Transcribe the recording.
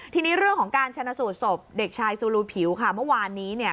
ทีนี้เรื่องของการชนะสูตรศพเด็กชายซูลูผิวค่ะเมื่อวานนี้